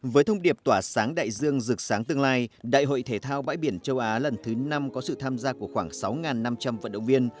với thông điệp tỏa sáng đại dương rực sáng tương lai đại hội thể thao bãi biển châu á lần thứ năm có sự tham gia của khoảng sáu năm trăm linh vận động viên